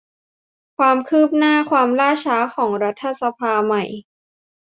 ความคืบหน้า ความล่าช้า ของรัฐสภาใหม่